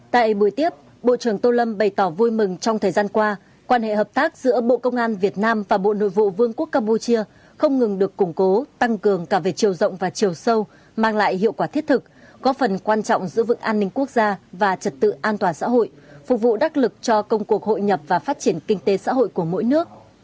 tại buổi tiếp bộ trưởng tô lâm bày tỏ vui mừng trong thời gian qua quan hệ hợp tác giữa bộ công an việt nam và bộ nội vụ vương quốc campuchia không ngừng được củng cố tăng cường cả về chiều rộng và chiều sâu mang lại hiệu quả thiết thực góp phần quan trọng giữa vực an ninh quốc gia và trật tự an toàn xã hội phục vụ đắc lực cho công cuộc hội nhập và phát triển kinh tế xã hội của mỗi nước